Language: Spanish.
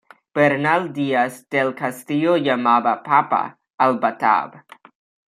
Bernal Díaz del Castillo llamaba "papa" al "batab".